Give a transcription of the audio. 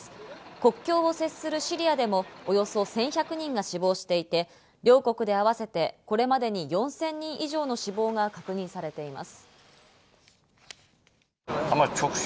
国境を接するシリアでもおよそ１１００人が死亡していて、両国で合わせてこれまでに４０００人以上の死亡が確認されています。